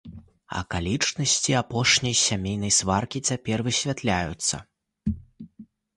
Акалічнасці апошняй сямейнай сваркі цяпер высвятляюцца.